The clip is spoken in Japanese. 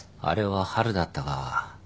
あれは春だったか。